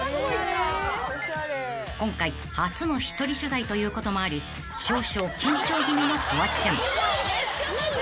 ［今回初の１人取材ということもあり少々緊張気味のフワちゃん］